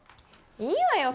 いいわよ